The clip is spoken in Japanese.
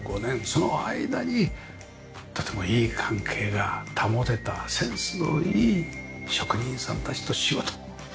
その間にとてもいい関係が保てたセンスのいい職人さんたちと仕事。